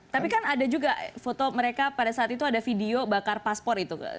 tapi kan ada juga foto mereka pada saat itu ada video bakar paspor itu